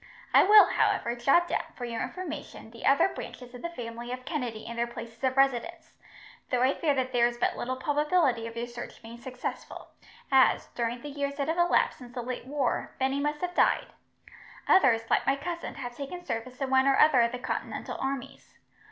I will, however, jot down, for your information, the other branches of the family of Kennedy and their places of residence, though I fear that there is but little probability of your search being successful, as, during the years that have elapsed since the late war, many must have died. Others, like my cousin, have taken service in one or other of the continental armies.